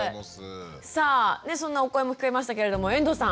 さあそんなお声も聞けましたけれども遠藤さん。